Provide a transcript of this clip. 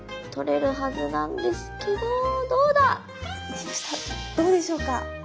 どうでしょうか？